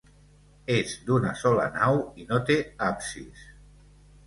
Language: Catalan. És d'una sola nau i no té absis.